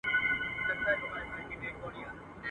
ایله چي په امان دي له واسکټه سوه وګړي.